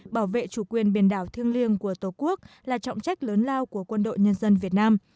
bảo vệ chủ quyền biển đảo thiêng liêng của tổ quốc là trọng trách lớn lao của quân đội nhân dân việt nam